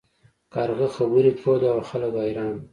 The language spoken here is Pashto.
کارغه خبرې کولې او خلک حیران وو.